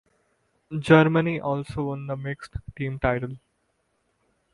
Germany also won the mixed team title.